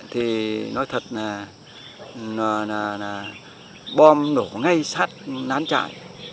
thì nói thật là bom nổ ngay sát nán trại